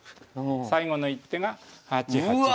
最後の一手が８八竜。